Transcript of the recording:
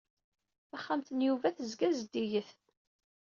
Taxxamt n Yuba tezga zeddiget.